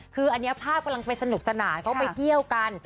คืออันนี้ภาพกำลังไปสนุกสนานเขาไปเที่ยวกัน